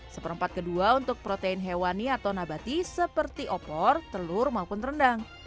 seperempat kedua untuk protein hewani atau nabati seperti opor telur maupun rendang